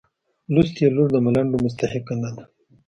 لوستې لور د ملنډو مستحقه نه ده.